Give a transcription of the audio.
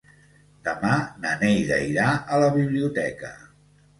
Demà na Neida irà a la biblioteca.